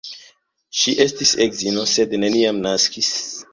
Ŝi estis edzino, sed neniam naskis.